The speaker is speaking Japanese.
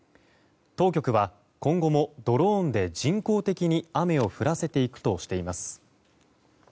当局は今後もドローンで人工的に雨を降らせていくとしています。